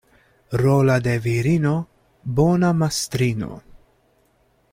Rola de virino — bona mastrino.